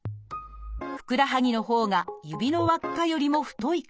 ふくらはぎのほうが指の輪っかよりも太いか。